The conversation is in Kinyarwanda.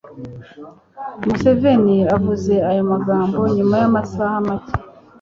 museveni avuze ayo magambo nyuma y'amasaha make